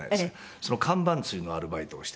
その看板つりのアルバイトをしてましたね。